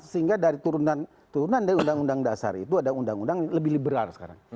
sehingga dari turunan dari undang undang dasar itu ada undang undang yang lebih liberal sekarang